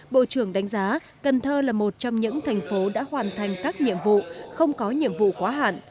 bộ trưởng đánh giá cần thơ là một trong những thành phố đã hoàn thành các nhiệm vụ không có nhiệm vụ quá hạn